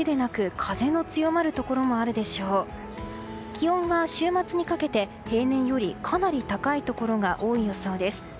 気温は週末にかけて平年よりかなり高いところが多い予想です。